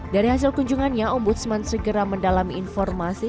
dari hasil kunjungannya ombudsman segera mendalami informasi